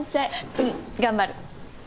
うん頑張る！